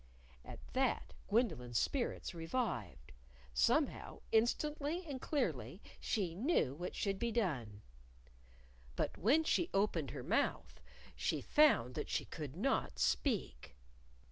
At that Gwendolyn's spirits revived. Somehow, instantly and clearly, she knew what should be done! But when she opened her mouth, she found that she could not speak.